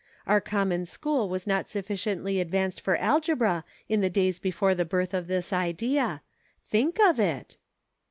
Our common school was not sufficiently advanced for algebra in the days before the birth of this idea. Think of it